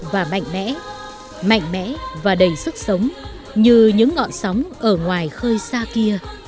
và mạnh mẽ mạnh mẽ và đầy sức sống như những ngọn sóng ở ngoài khơi xa kia